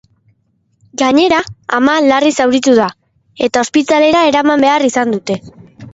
Gainera, ama larri zauritu da, eta ospitalera eraman behar izan dute.